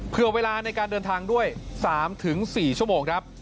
เผื่อเวลาในการเดินทางด้วย๓๔ชั่วโมงครับ